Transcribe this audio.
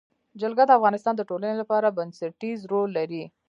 جلګه د افغانستان د ټولنې لپاره بنسټيز رول لري.